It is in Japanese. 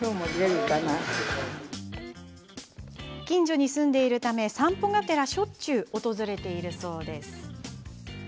近所に住んでいるため散歩がてらしょっちゅう訪れているそうです。